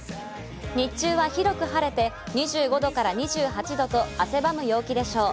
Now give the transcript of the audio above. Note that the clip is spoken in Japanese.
日中は広く晴れて２５度から２８度と汗ばむ陽気でしょう。